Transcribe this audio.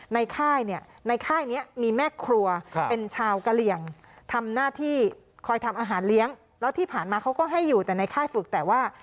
ค่ายเนี่ยในค่ายนี้มีแม่ครัวเป็นชาวกะเหลี่ยงทำหน้าที่คอยทำอาหารเลี้ยงแล้วที่ผ่านมาเขาก็ให้อยู่แต่ในค่ายฝึกแต่ว่า